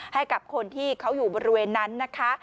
ให้กับคนที่เขาอยู่บริเวณนั้นนะคะ